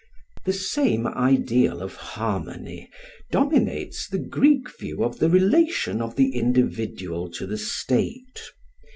The same ideal of harmony dominates the Greek view of the relation of the individual to the state.